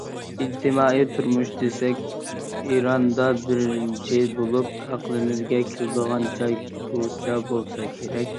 ئىجتىمائىي تۇرمۇش دېسەك ئىراندا بىرىنچى بولۇپ ئەقلىمىزگە كېلىدىغان جاي كوچا بولسا كېرەك.